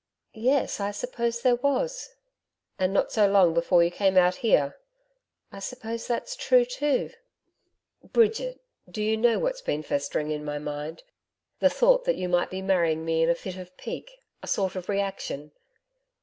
'Yes I suppose there was.' 'And not so long before you came out here?' 'I suppose that's true too.' 'Bridget! do you know what's been festering in my mind the thought that you might be marrying me in a fit of pique a sort of reaction.